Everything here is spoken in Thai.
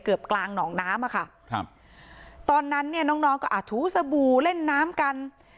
กลางหนองน้ำอ่ะค่ะครับตอนนั้นเนี่ยน้องน้องก็อาจถูสบู่เล่นน้ำกัน